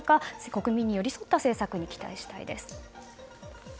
国民に寄り添った政策に期待したいです。